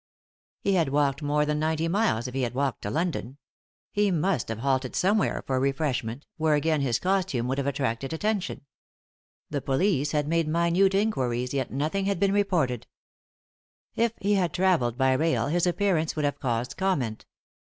He had walked more than ninety miles if he had walked to London; he must have halted Si 3i 9 iii^d by Google THE INTERRUPTED KISS somewhere for refreshment, where again his costume would have attracted attention. The police had made minute inquiries, yet nothing had been reported. If he had travelled by rail his appearance would hare caused comment.